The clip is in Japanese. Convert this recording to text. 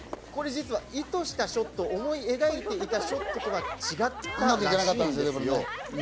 これ実は意図したショット、思い描いていたショットとは違ったらしいんですよ。